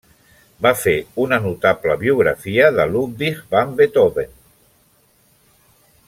Va fer una notable biografia de Ludwig van Beethoven.